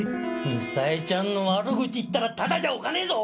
ミサエちゃんの悪口言ったらただじゃおかねえぞ！